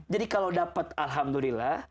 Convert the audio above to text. jadi kalau dapat alhamdulillah